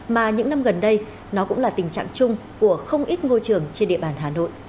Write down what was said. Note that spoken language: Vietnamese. mà những năm gần đây nó cũng là tình trạng chung của không ít ngôi trường trên địa bàn hà nội